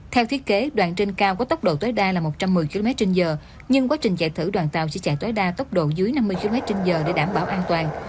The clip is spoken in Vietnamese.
theo thiết kế đoạn trên cao có tốc độ tối đa là một trăm một mươi km trên giờ nhưng quá trình chạy thử đoàn tàu sẽ chạy tối đa tốc độ dưới năm mươi km trên giờ để đảm bảo an toàn